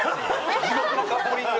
地獄のカップリング。